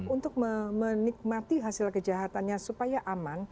untuk menikmati hasil kejahatannya supaya aman